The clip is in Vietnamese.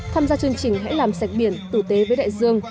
tham gia chương trình hãy làm sạch biển tử tế với đại dương